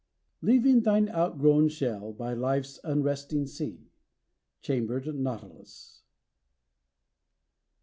"Leaving thine outgrovvii shell by life's unresting sea.'' — Chamlered Nautilus.